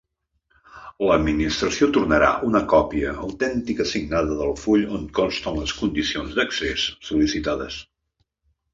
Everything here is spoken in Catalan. L'Administració tornarà una còpia autèntica signada del full on consten les condicions d'accés sol·licitades.